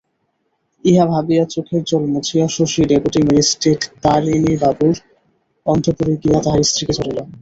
ইহা ভাবিয়া চোখের জল মুছিয়া শশী ডেপুটি ম্যাজিস্ট্রেট তারিণীবাবুর অন্তঃপুরে গিয়া তাঁহার স্ত্রীকে ধরিল।